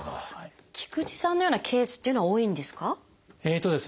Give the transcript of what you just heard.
菊池さんのようなケースというのは多いんですか？